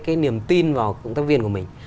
cái niềm tin vào công tác viên của mình